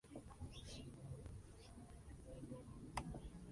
La especie recibe su nombre del Fort Chaffee, un antiguo fuerte estadounidense.